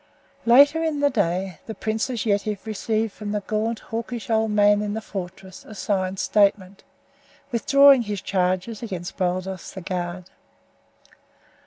Later in the day the Princess Yetive received from the gaunt, hawkish old man in the fortress a signed statement, withdrawing his charges against Baldos the guard.